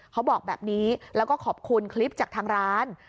เขาบอกแบบนี้แล้วก็ขอบคุณคลิปจากทางร้าน